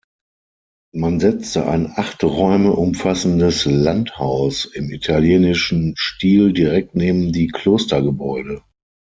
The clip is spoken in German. Man setzte ein acht Räume umfassendes Landhaus im italienischen Stil direkt neben die Klostergebäude.